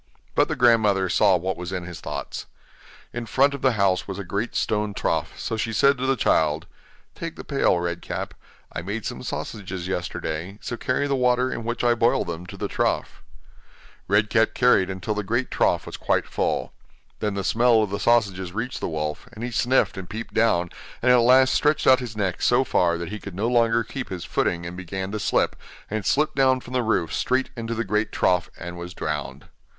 But the grandmother saw what was in his thoughts. In front of the house was a great stone trough, so she said to the child: 'Take the pail, Red Cap; I made some sausages yesterday, so carry the water in which I boiled them to the trough.' Red Cap carried until the great trough was quite full. Then the smell of the sausages reached the wolf, and he sniffed and peeped down, and at last stretched out his neck so far that he could no longer keep his footing and began to slip, and slipped down from the roof straight into the great trough, and was drowned.